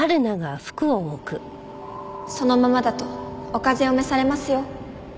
そのままだとお風邪を召されますよ。